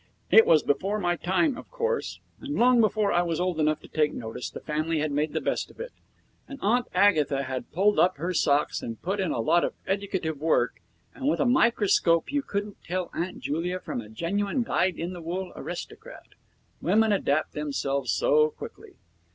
It was before my time, of course, and long before I was old enough to take notice the family had made the best of it, and Aunt Agatha had pulled up her socks and put in a lot of educative work, and with a microscope you couldn't tell Aunt Julia from a genuine dyed in the wool aristocrat. Women adapt themselves so quickly!